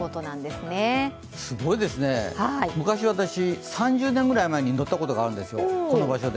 すごいですね、昔、私、３０年ぐらい前にこの場所で乗ったことがあるんです。